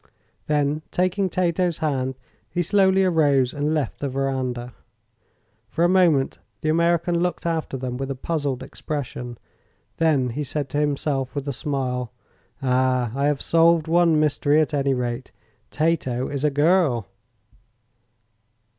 Then, taking Tato's hand, he slowly arose and left the veranda. For a moment the American looked after them with a puzzled expression. Then he said to himself, with a smile: "Ah, I have solved one mystery, at any rate. Tato is a girl!"